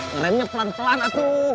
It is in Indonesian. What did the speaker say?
ngeramnya pelan pelan atuh